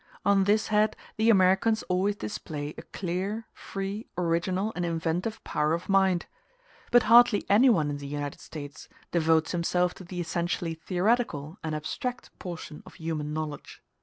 On this head the Americans always display a clear, free, original, and inventive power of mind. But hardly anyone in the United States devotes himself to the essentially theoretical and abstract portion of human knowledge.